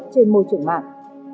trên môi trường mạng